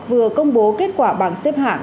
vừa công bố kết quả bảng xếp hạng